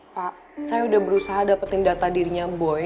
pak saya udah berusaha dapetin data dirinya boy